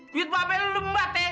duit papel lu ngembat ya